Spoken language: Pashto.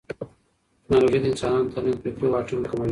ټیکنالوژي د انسانانو ترمنځ فکري واټن کموي.